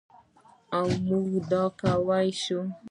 او موږ دا کولی شو.